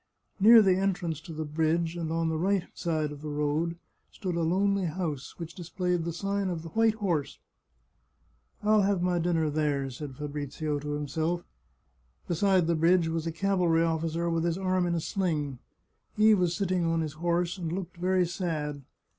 Near the entrance to the bridge and on the right hand side of the road stood a lonely house, which displayed the sign of the White Horse. " I'll have my dinner there," said Fabrizio to himself. Beside the bridge was a cavalry officer with his arm in a sling. He was sitting on his horse and looked very sad.